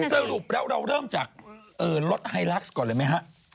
สรุปแล้วเราเริ่มจากรถไฮลักษ์ก่อนเลยไหมฮะ